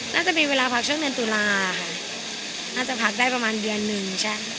น่าจะมีเวลาพักช่วงเดือนตุลาค่ะน่าจะพักได้ประมาณเดือนหนึ่งใช่